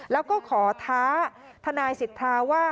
แล้วก็ขอท้าทนายสิทธาว่า